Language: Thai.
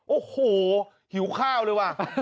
โอ้โหหิวข้าวเลยว่ะ